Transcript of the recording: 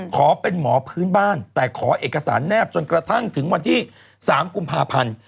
ขอเป็นหมอพื้นบ้านแต่ขอเอกสารแนบจนกระทั่งถึงวันที่๓กุมภาพันธ์